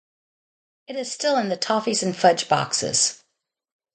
It is still in the Toffees and Fudge boxes.